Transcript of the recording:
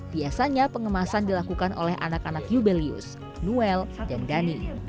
biasanya pengemasan dilakukan oleh anak anak yubelius noel dan dani